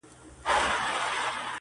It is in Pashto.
دوې هندواڼې په يوه لاس نه اخيستل کېږي.